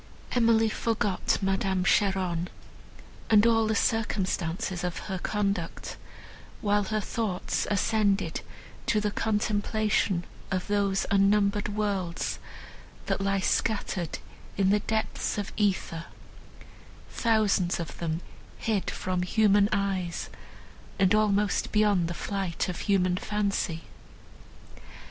Emily forgot Madame Cheron and all the circumstances of her conduct, while her thoughts ascended to the contemplation of those unnumbered worlds, that lie scattered in the depths of æther, thousands of them hid from human eyes, and almost beyond the flight of human fancy.